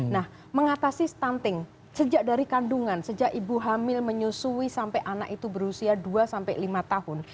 nah mengatasi stunting sejak dari kandungan sejak ibu hamil menyusui sampai anak itu berusia dua sampai lima tahun